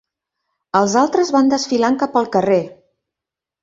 Els altres van desfilant cap al carrer.